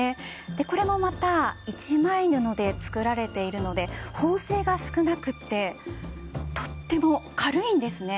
これもまた一枚布で作られているので縫製が少なくてとても軽いんですね。